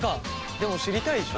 でも知りたいでしょ？